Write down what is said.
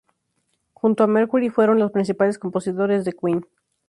Junto a Mercury fueron los principales compositores de Queen.